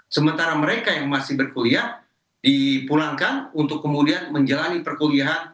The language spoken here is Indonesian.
sementara mereka yang masih berkuliah dipulangkan untuk kemudian menjalani perkuliahan